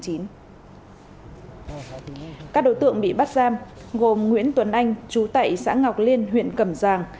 các đối tượng bị bắt giam gồm nguyễn tuấn anh chú tại xã ngọc liên huyện cầm giang